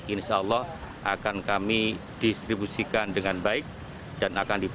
insya allah akan kami distribusikan